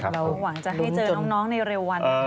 หวังจะให้เจอน้องในเร็ววัน